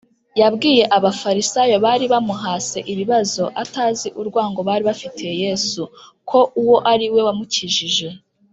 . Yabwiye Abafarisayo bari bamuhase ibibazo, atazi urwango bari bafitiye Yesu, ko uwo ari we wamukijije.